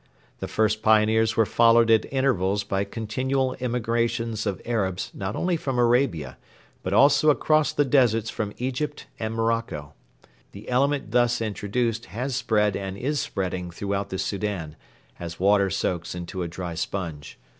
The first pioneers were followed at intervals by continual immigrations of Arabs not only from Arabia but also across the deserts from Egypt and Marocco. The element thus introduced has spread and is spreading throughout the Soudan, as water soaks into a dry sponge.